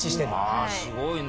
わあすごいね。